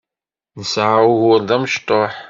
Nesεa ugur d amecṭuḥ.